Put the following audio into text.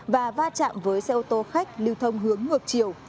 và va chạm với xe ô tô khách lưu thông hướng ngược chiều